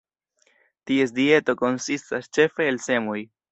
Ties dieto konsistas ĉefe el semoj.